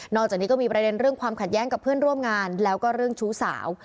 จากนี้ก็มีประเด็นเรื่องความขัดแย้งกับเพื่อนร่วมงานแล้วก็เรื่องชู้สาว